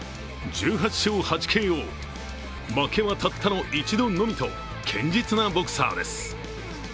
１８勝８ＫＯ、負けはたったの１度のみと堅実なボクサーです。